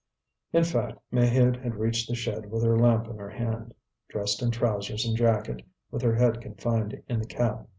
In fact, Maheude had reached the shed with her lamp in her hand, dressed in trousers and jacket, with her head confined in the cap.